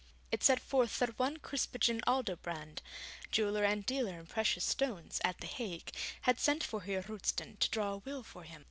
It set forth that one Krispijn Aldobrand, jeweller and dealer in precious stones, at the Hague, had sent for Heer Roosten to draw a will for him.